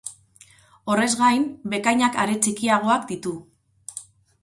Horrez gain, bekainak are txikiagoak ditu.